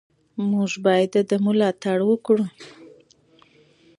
موږ باید د ده ملاتړ وکړو.